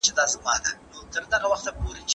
دا یې هېروي چي له اصله د ګوربت دی